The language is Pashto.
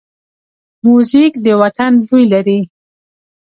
موزیک د وطن بوی لري.